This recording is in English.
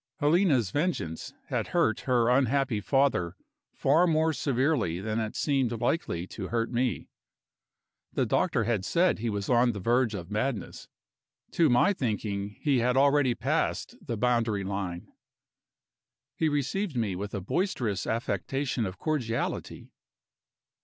Helena's vengeance had hurt her unhappy father far more severely than it seemed likely to hurt me. The doctor had said he was on the verge of madness. To my thinking, he had already passed the boundary line. He received me with a boisterous affectation of cordiality.